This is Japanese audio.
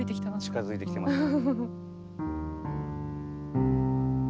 近づいてきてますね。